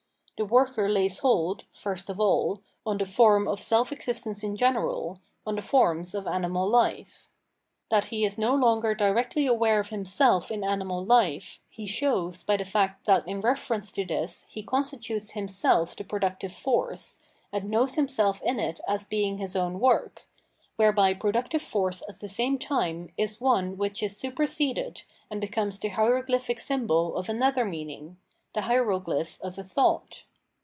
The worker lays hold, first of aU, on the form of self existence in general, on the forms of animal life. That he is no longer directly aware of himseh in aniTnal hfe, he shows by the fact that in reference to this he constitutes himself the productive force, and knows himself in it as being his own work, whereby the productive force at the same time is one which is super seded and becomes the hieroglyphic symbol of another meaning, the hieroglyph of a thought.